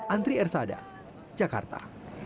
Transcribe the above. antri ersada jakarta